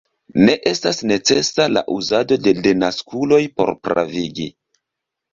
Ne estas necesa la uzado de denaskuloj por pravigi.